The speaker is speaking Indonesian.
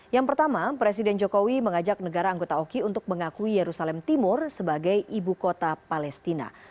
yang pertama presiden jokowi mengajak negara anggota oki untuk mengakui yerusalem timur sebagai ibu kota palestina